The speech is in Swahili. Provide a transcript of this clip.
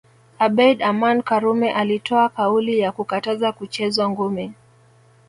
Abeid Aman Karume alitoa kauli ya kukataza kuchezwa ngumi